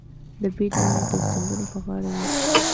د بید ونې د سیندونو په غاړه وي.